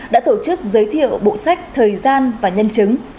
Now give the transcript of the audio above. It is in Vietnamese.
đã tổ chức giới thiệu bộ sách thời gian và nhân chứng